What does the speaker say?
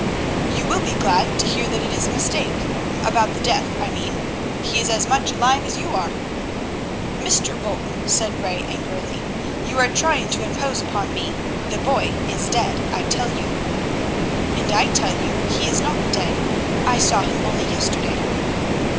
"You will be glad to hear that it is a mistake about the death, I mean. He is as much alive as you are." "Mr. Bolton," said Ray angrily, "you are trying to impose upon me. The boy is dead, I tell you." "And I tell you he is not dead. I saw him only yesterday."